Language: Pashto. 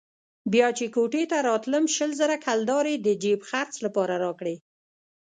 بيا چې کوټې ته راتلم شل زره کلدارې يې د جېب خرڅ لپاره راکړې.